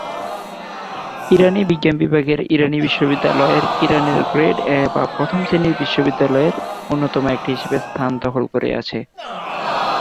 ইরানি বিজ্ঞান বিভাগের ইরানি বিশ্ববিদ্যালয়ের ইরানের "গ্রেড এ" বা প্রথম শ্রেণির বিশ্ববিদ্যালয়ের অন্যতম একটি হিসেবে স্থান দখল করে আছে।